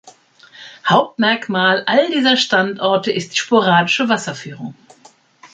Hauptmerkmal all dieser Standorte ist die sporadische Wasserführung.